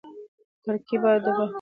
کړکۍ د باد په لګېدو سره لږه ښورېدلې وه.